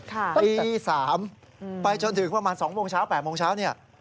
ตี๓ไปจนถึงประมาณ๒โมงเช้า๘โมงเช้าเนี่ย